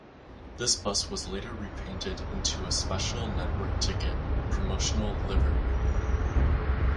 This bus was later repainted into a special network ticket promotional livery.